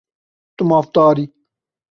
Tu mafdar î.